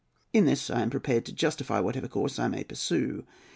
In this I am prepared to justify whatever course I may pursue.